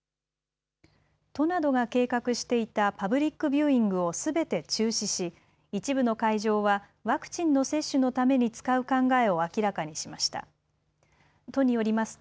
都などが計画していたパブリックビューイングをすべて中止し、一部の会場はワクチンの接種のために使う考えを明らかにしました。